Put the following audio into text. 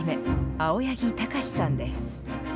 青柳貴史さんです。